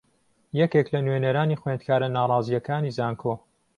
یەکێک لە نوێنەرانی خوێندکارە ناڕازییەکانی زانکۆ